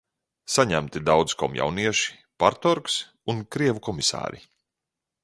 Saņemti daudz komjaunieši, partorgs un krievu komisāri.